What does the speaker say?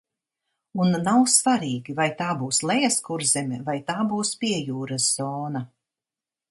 Un nav svarīgi, vai tā būs Lejaskurzeme, vai tā būs Piejūras zona.